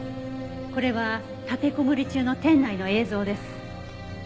これは立てこもり中の店内の映像です。